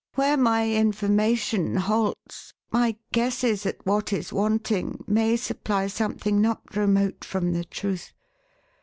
Where my information halts, my guesses at what is wanting may supply something not remote from the truth.